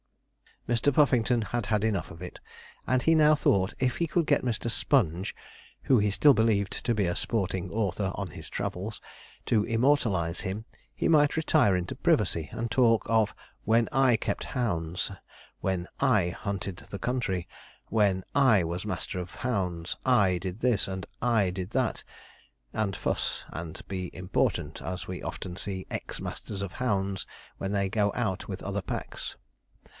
Mr. Puffington had had enough of it, and he now thought if he could get Mr. Sponge (who he still believed to be a sporting author on his travels) to immortalize him, he might retire into privacy, and talk of 'when I kept hounds,' 'when I hunted the country,' 'when I was master of hounds I did this, and I did that,' and fuss, and be important as we often see ex masters of hounds when they go out with other packs.